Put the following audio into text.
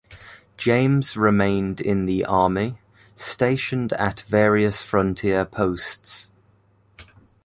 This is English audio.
James remained in the army, stationed at various frontier posts.